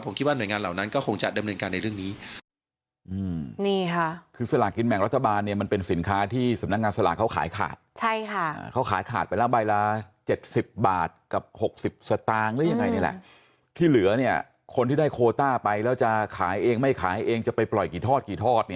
ผมคิดว่าหน่วยงานเหล่านั้นก็คงจะดำเนินการในเรื่องนี้